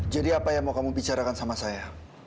jadi apa yang mau kamu bicarakan sama saya